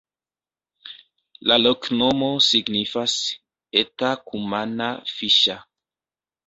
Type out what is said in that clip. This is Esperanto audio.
La loknomo signifas: eta-kumana-fiŝa.